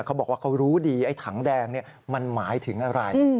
เขาบอกว่าเขารู้ดีไอ้ถังแดงมันหมายถึงอะไร